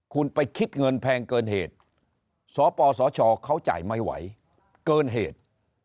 คุณไปคิดเงินแพงเกินเหตุสปสชเขาจ่ายไม่ไหวเกินเหตุ